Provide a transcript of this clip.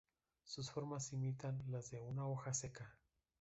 Sus formas imitan las de una hoja seca.